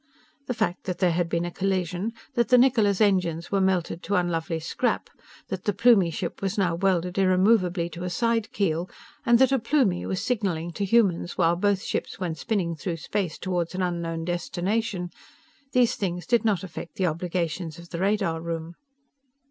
The fact that there had been a collision, that the Niccola's engines were melted to unlovely scrap, that the Plumie ship was now welded irremovably to a side keel, and that a Plumie was signaling to humans while both ships went spinning through space toward an unknown destination these things did not affect the obligations of the radar room.